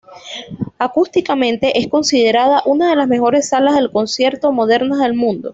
Acústicamente, es considerada una de las mejores salas de concierto modernas del mundo.